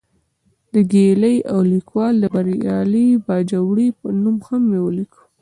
د ګیلې او لیکوال بریالي باجوړي نوم مې ولیکه.